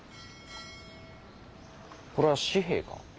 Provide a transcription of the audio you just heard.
これは紙幣か？